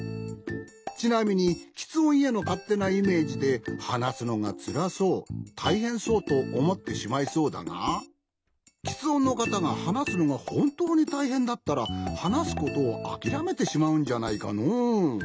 ちなみにきつ音へのかってなイメージではなすのがつらそうたいへんそうとおもってしまいそうだがきつ音のかたがはなすのがほんとうにたいへんだったらはなすことをあきらめてしまうんじゃないかのう。